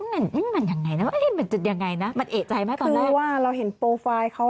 มันยังไงนะว่ามันจะยังไงนะมันเอกใจไหมตอนแรกว่าเราเห็นโปรไฟล์เขา